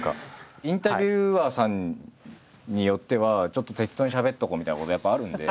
インタビュアーさんによってはちょっと適当にしゃべっとこうみたいなことやっぱあるんで。